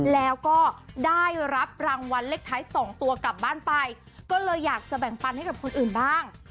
แล้วก็ได้รับรางวัลเลขท้าย๒ตัวกลับบ้านไปก็เลยอยากจะแบ่งปันให้กับคนอื่นบ้าง